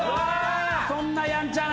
そんなやんちゃな。